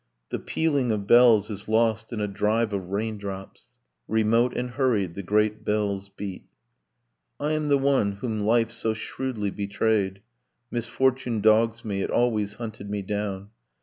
The pealing of bells is lost in a drive of rain drops. Remote and hurried the great bells beat. 'I am the one whom life so shrewdly betrayed, Misfortune dogs me, it always hunted me down.